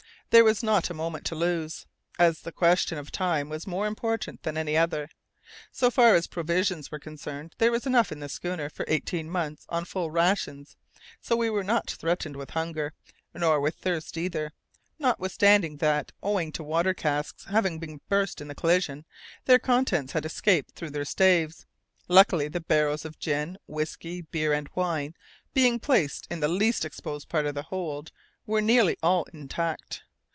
There was not a moment to lose, as the question of time was more important than any other. So far as provisions were concerned, there was enough in the schooner for eighteen months on full rations, so we were not threatened with hunger, nor with thirst either, notwithstanding that owing to the water casks having been burst in the collision, their contents had escaped through their staves. Luckily, the barrels of gin, whisky, beer, and wine, being placed in the least exposed part of the hold, were nearly all intact.